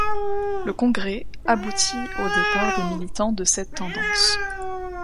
Le Congrès aboutit au départ des militants de cette tendance.